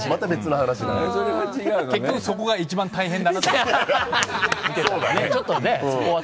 結局、そこが一番大変だなって。